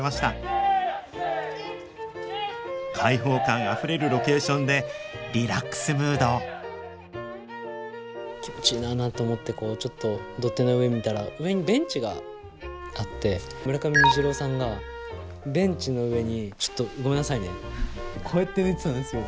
開放感あふれるロケーションでリラックスムード気持ちいいなあなんて思ってこうちょっと土手の上見たら上にベンチがあって村上虹郎さんがベンチの上にちょっとごめんなさいねこうやって寝てたんですよ。